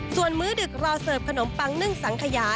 ส่วนมื้อดึกรอเสิร์ฟขนมปังนึ่งสังขยา